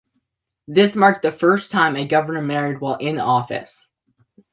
This marked the first time a governor married while in office.